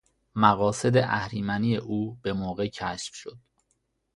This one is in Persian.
مقاصد اهریمنی او بهموقع کشف شد.